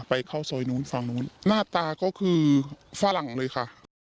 ไปเข้าซอยนู้นฝั่งนู้นหน้าตาก็คือฝรั่งเลยค่ะ